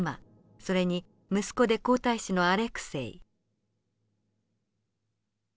それに息子で皇太子のアレクセイ。